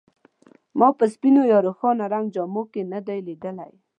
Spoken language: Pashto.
ما په سپینو یا روښانه رنګ جامو کې نه دی لیدلی.